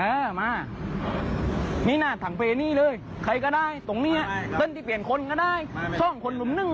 เอาชั้นนาน